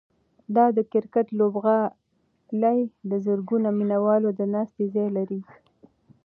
دا د کرکټ لوبغالی د زرګونو مینه والو د ناستې ځای لري.